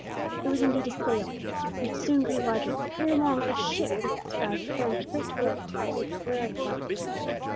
It was indeed a sail, which soon grew larger, and ere long a ship was descried bearing straight towards them before a very light breeze.